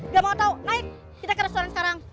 gak mau tahu naik kita ke restoran sekarang